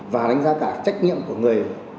và đánh giá cả trách nhiệm của người